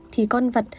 thì con vật